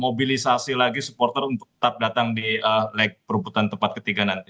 mobilisasi lagi supporter untuk tetap datang di leg perebutan tempat ketiga nanti